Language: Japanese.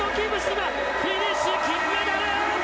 今、フィニッシュ、金メダル。